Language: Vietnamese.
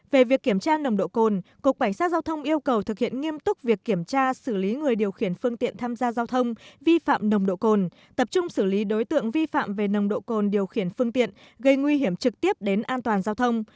về việc kiểm tra nồng độ cồn cục bảnh sát giao thông yêu cầu thực hiện nghiêm túc việc kiểm tra xử lý người điều khiển phương tiện tham gia giao thông vi phạm nồng độ cồn tập trung xử lý đối tượng vi phạm về nồng độ cồn điều khiển phương tiện gây nguy hiểm trực tiếp đến an toàn giao thông